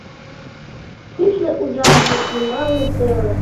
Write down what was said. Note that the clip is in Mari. Кӱшнӧ ужарге, йымалне теле.